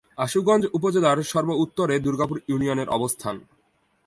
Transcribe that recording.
আশুগঞ্জ উপজেলার সর্ব-উত্তরে দুর্গাপুর ইউনিয়নের অবস্থান।